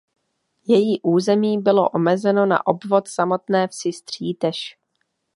Její území bylo omezeno na obvod samotné vsi Střítež.